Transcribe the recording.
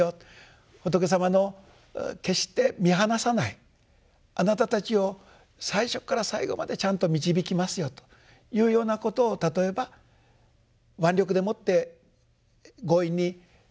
仏様の決して見放さないあなたたちを最初から最後までちゃんと導きますよというようなことを例えば腕力でもって強引にこの苦しみの世界から悟りの世界へ導くのではない。